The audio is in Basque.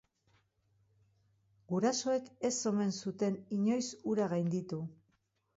Gurasoek ez omen zuten inoiz hura gainditu.